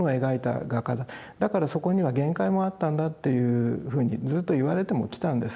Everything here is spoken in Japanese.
だからそこには限界もあったんだっていうふうにずっと言われてもきたんです。